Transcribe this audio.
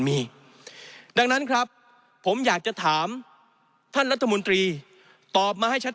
มีดังนั้นครับผมอยากจะถามท่านรัฐมนตรีตอบมาให้ชัด